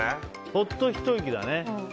ほっとひと息だね。